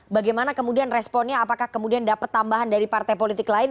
bagaimana kemudian responnya apakah kemudian dapat tambahan dari partai politik lain